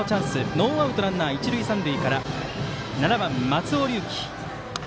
ノーアウトランナー、一塁三塁から７番、松尾龍樹。